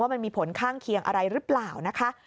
มันมีผลข้างเคียงอะไรหรือเปล่านะคะ